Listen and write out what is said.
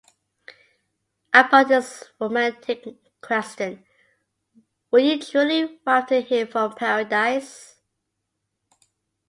Upon his romantic question Were you truly wafted here from paradise?